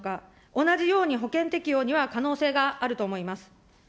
同じように保険適用には可能性があると思います。